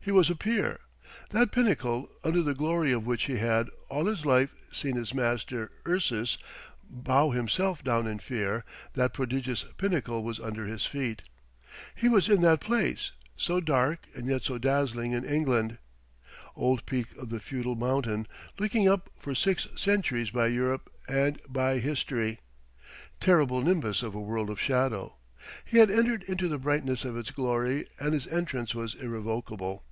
He was a peer. That pinnacle, under the glory of which he had, all his life, seen his master, Ursus, bow himself down in fear that prodigious pinnacle was under his feet. He was in that place, so dark and yet so dazzling in England. Old peak of the feudal mountain, looked up to for six centuries by Europe and by history! Terrible nimbus of a world of shadow! He had entered into the brightness of its glory, and his entrance was irrevocable.